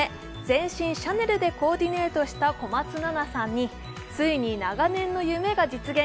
全身シャネルでコーディネートした小松菜奈さんについに長年の夢が実現